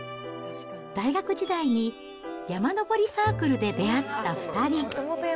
大学時代に、山登りサークルで出会った２人。